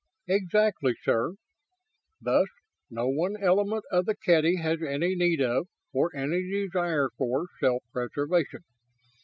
"Exactly, sir. Thus, no one element of the Kedy has any need of, or any desire for, self preservation.